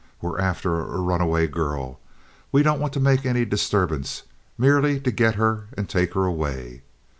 We're after a runaway girl. We don't want to make any disturbance—merely to get her and take her away."